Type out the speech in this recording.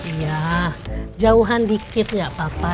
iya jauhan dikit gak apa apa